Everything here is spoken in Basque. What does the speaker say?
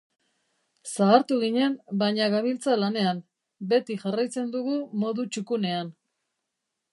Zahartu ginen baina gabiltza lanean, beti jarraitzen dugu modu txukunean.